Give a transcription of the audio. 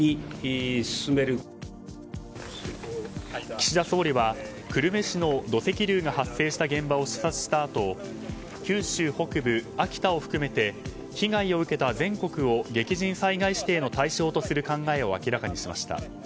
岸田総理は、久留米市の土石流が発生した現場を視察したあと九州北部、秋田を含めて被害を受けた全国を激甚災害指定の対象とする考えを明らかにしました。